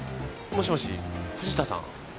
もしもし藤田さん？